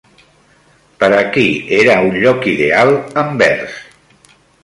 Per a qui era un lloc ideal Anvers?